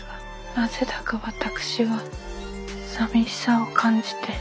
なぜだか私は寂しさを感じて。